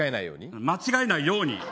間違えないように？